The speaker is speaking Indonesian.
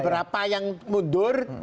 berapa yang mundur